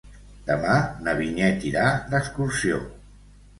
Demà na Vinyet irà d'excursió.